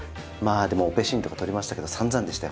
オペシーンとか撮りましたけど散々でしたよ